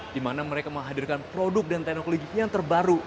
di mana mereka menghadirkan produk dan teknologi yang terbaru